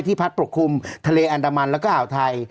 พัดปกคลุมทะเลอันดามันแล้วก็อ่าวไทย